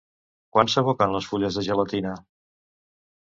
Quan s'aboquen les fulles de gelatina?